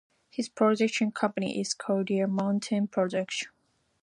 His production company is called Deer Mountain Productions.